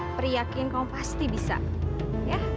beri yakin kau pasti bisa ya